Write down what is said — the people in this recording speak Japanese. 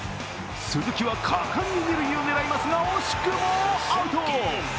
鈴木は果敢に二塁を狙いますが、惜しくもアウト。